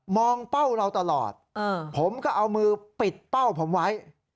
เป้าเราตลอดผมก็เอามือปิดเป้าผมไว้